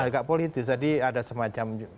agak politis jadi ada semacam